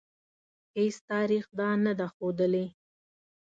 هیڅ تاریخ دا نه ده ښودلې.